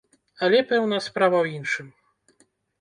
Але, пэўна, справа ў іншым.